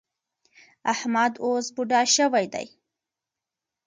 احمد اوس بوډا شوی دی.